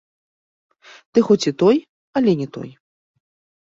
Ты хоць і той, але не той.